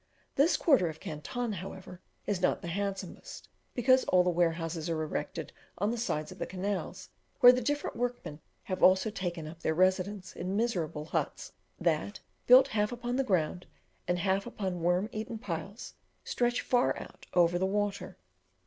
This quarter of Canton, however, is not the handsomest, because all the warehouses are erected on the sides of the canals, where the different workmen have also taken up their residence in miserable huts that, built half upon the ground and half upon worm eaten piles, stretch far out over the water.